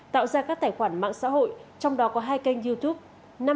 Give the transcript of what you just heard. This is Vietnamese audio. tạo ra các tài khoản mạng xã hội trong đó có hai kênh youtube